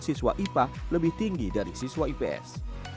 siswa ipa lebih tinggi dari siswa ips